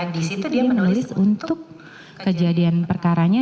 di situ dia menulis untuk kejadian perkara nya